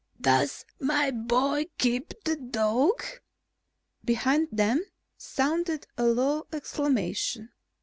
"Does my boy keep that dog?" Behind them sounded a low exclamation.